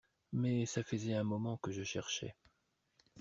Mais ça faisait un moment que je cherchais.